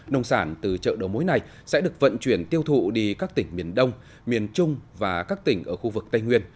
nông sản từ chợ đầu mối này sẽ được vận chuyển tiêu thụ đi các tỉnh miền đông miền trung và các tỉnh ở khu vực tây nguyên